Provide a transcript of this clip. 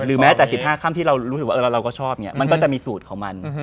หรือแม้แต่สิบห้าค่ำที่เรารู้สึกว่าเราก็ชอบมันก็จะมีสูตรของมัน